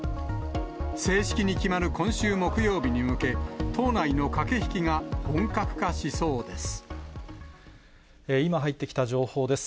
正式に決まる今週木曜日に向け、党内の駆け引きが本格化しそうで今入ってきた情報です。